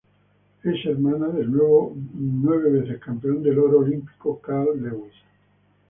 Es hermana del nueve veces campeón de oro olímpico Carl Lewis.